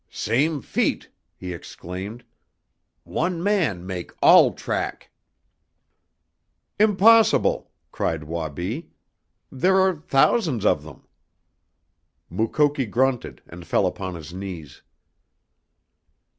"Same feet!" he exclaimed. "One man mak' all track!" "Impossible!" cried Wabi. "There are thousands of them!" Mukoki grunted and fell upon his knees.